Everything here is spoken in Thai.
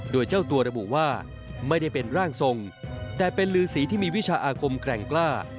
โดยเจ้าตัวระบุว่าไม่ได้เป็นร่างทรงแต่เป็นลือสีที่มีวิชาอาคมแกร่งกล้า